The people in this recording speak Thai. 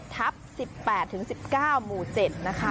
ทัพ๑๘๑๙หมู่๗นะคะ